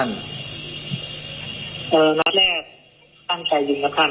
เออนัดแรกตั้งใจยิงนะครับท่าน